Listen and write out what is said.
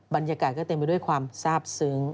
บรรยากาศก็เต็มไปด้วยความทราบซึ้ง